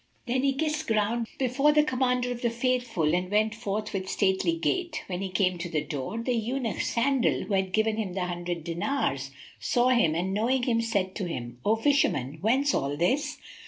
Then he kissed ground before the Commander of the Faithful and went forth with stately gait. When he came to the door, the Eunuch Sandal, who had given him the hundred dinars, saw him and knowing him, said to him, "O Fisherman, whence all this?"